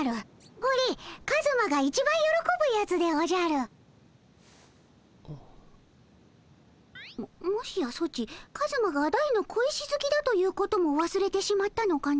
ほれカズマがいちばんよろこぶやつでおじゃる。ももしやソチカズマが大の小石ずきだということもわすれてしまったのかの。